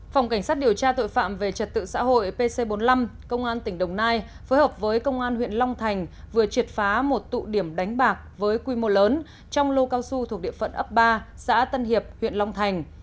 phòng cảnh sát điều tra tội phạm về trật tự xã hội pc bốn mươi năm công an tỉnh đồng nai phối hợp với công an huyện long thành vừa triệt phá một tụ điểm đánh bạc với quy mô lớn trong lô cao su thuộc địa phận ấp ba xã tân hiệp huyện long thành